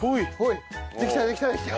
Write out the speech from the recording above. できたできたできた！